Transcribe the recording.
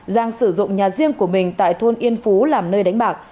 giang sử dụng nhà riêng của mình tại thôn yên phú làm nơi đánh bạc